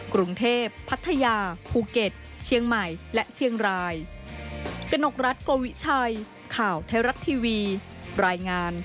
กรุงเทพพัทยาภูเก็ตเชียงใหม่และเชียงราย